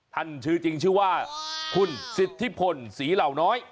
ชื่อจริงชื่อว่าคุณสิทธิพลศรีเหล่าน้อย